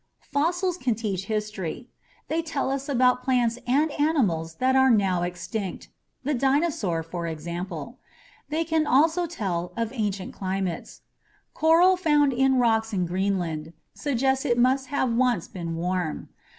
Fossils can teach history. They tell us about plants and animals that are now extinct the dinosaur, for example. They can also tell of ancient climates. Coral found in rocks in Greenland suggests it must have once been warm.